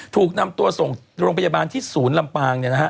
ถูกนำตัวส่งโรงพยาบาลที่ศูนย์ลำปาง